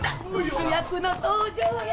主役の登場や。